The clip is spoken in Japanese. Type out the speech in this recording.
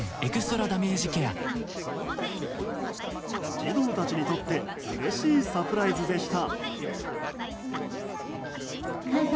児童たちにとってうれしいサプライズでした。